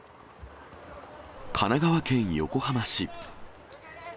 神奈川県横浜市。